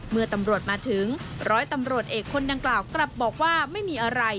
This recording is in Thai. เมื่อตำรวจมาถึงร้อยตำรวจเอกคนดังกล่าวกลับบอกว่าไม่มีอะไร